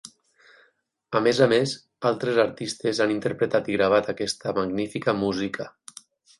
A més a més, altres artistes han interpretat i gravat aquesta magnífica música.